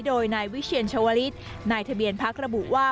โดยนายวิเชียรชวลิศนายทะเบียนพักระบุว่า